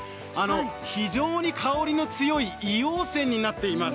非常に香りの強い硫黄泉になっています。